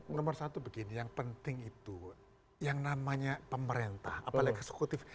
nomor satu begini yang penting itu yang namanya pemerintah apalagi eksekutif